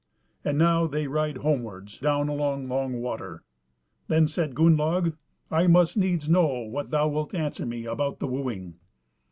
And now they ride homewards down along Long water. Then said Gunnlaug, "I must needs know what thou wilt answer me about the wooing."